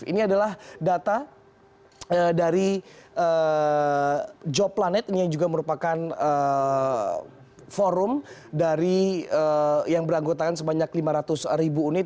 ini adalah data dari job planet ini yang juga merupakan forum dari yang beranggotakan sebanyak lima ratus ribu unit